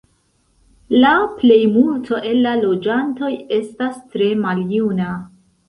La plejmulto el la loĝantoj estas tre maljuna.